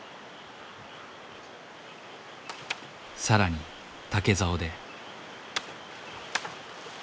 更に竹ざおで。